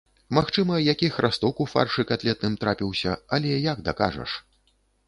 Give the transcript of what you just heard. Магчыма, які храсток у фаршы катлетным трапіўся, але як дакажаш?